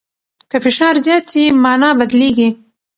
که فشار زیات سي، مانا بدلیږي.